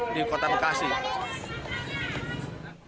dan ini adalah jelas jelas perampasan dan hak asal